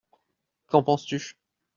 Qu’en penses-tu ?